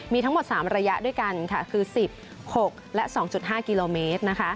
มีทั้งหมด๓ระยะด้วยกันคือ๑๖และ๒๕กิโลเมตร